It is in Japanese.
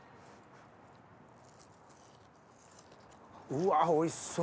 うわっおいしそう！